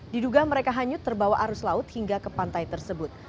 diduga mereka hanyut terbawa arus laut hingga ke pantai tersebut